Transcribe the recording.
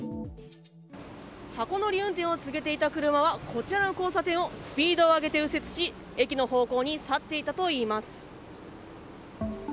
箱乗り運転を続けていた車はこちらの交差点をスピードを上げて右折し駅の方向へ去って行ったといいます。